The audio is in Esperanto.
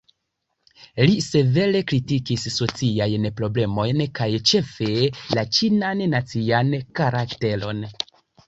Li severe kritikis sociajn problemojn kaj ĉefe la "ĉinan nacian karakteron".